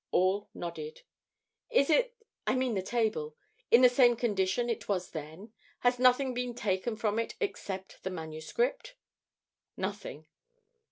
All nodded. "Is it I mean the table in the same condition it was then? Has nothing been taken from it except the manuscript?" "Nothing."